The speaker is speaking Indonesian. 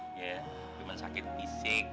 cuman sakit fisik